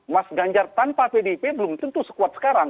mas ganjar tanpa pdip belum tentu sekuat sekarang